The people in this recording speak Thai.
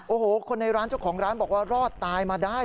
โอ้โหคนในร้านเจ้าของร้านบอกว่ารอดตายมาได้